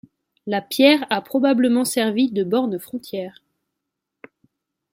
La pierre a probablement servi de borne frontière.